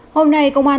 hôm nay công an